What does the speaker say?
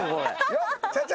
よっ社長。